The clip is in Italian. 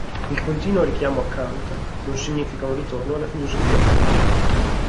Il continuo richiamo a Kant non significa un ritorno alla filosofia critica.